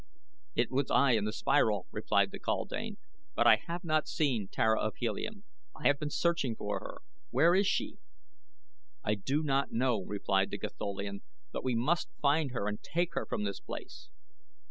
"It was I in the spiral," replied the kaldane; "but I have not seen Tara of Helium. I have been searching for her. Where is she?" "I do not know," replied the Gatholian; "but we must find her and take her from this place."